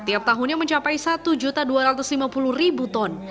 tiap tahunnya mencapai satu dua ratus lima puluh ton